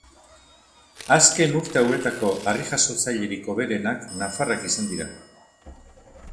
Azken urte hauetako harri-jasotzailerik hoberenak nafarrak izan dira.